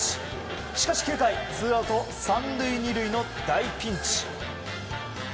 しかし９回ツーアウト３塁２塁の大ピンチ。